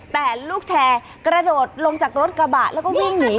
แต่ลูกแชร์กระโดดลงจากรถกระบะแล้วก็วิ่งหนี